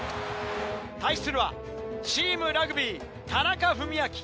対するはチームラグビー田中史朗。